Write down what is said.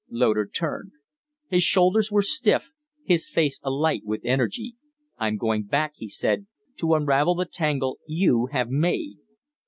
Loder turned. His shoulders were stiff, his face alight with energy. "I'm going back," he said, "to unravel the tangle you have made."